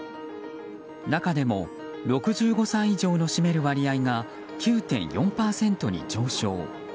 中でも６５歳以上の占める割合が９．４％に上昇。